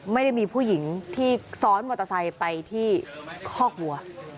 ไม่ได้มีผู้หญิงที่ซ้อนมอเตอร์ไซค์ไปที่คอกวัว